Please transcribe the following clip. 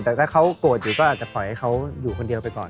แต่ถ้าเขาโกรธอยู่ก็อาจจะปล่อยให้เขาอยู่คนเดียวไปก่อน